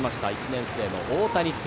１年生の大谷です。